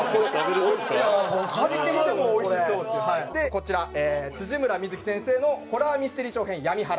こちら村深月先生のホラーミステリー長編『闇祓』。